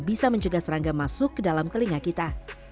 bisa mencegah serangga masuk ke dalam telinga kita